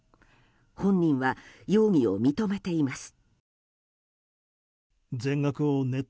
本人は容疑を認めています。